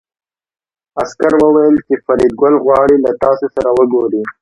عسکر وویل چې فریدګل غواړي له تاسو سره وګوري